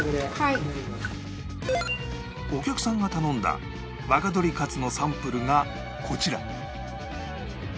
お客さんが頼んだ若鶏かつのサンプルがこちら